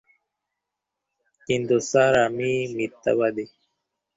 কিন্তু স্যার আমি- -- মিথ্যাবাদী!